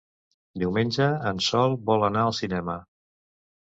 Diumenge en Sol vol anar al cinema.